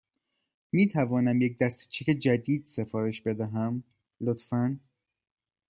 می تونم یک دسته چک جدید سفارش بدهم، لطفاً؟